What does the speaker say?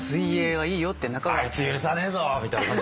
あいつ許さねえぞみたいな感じ？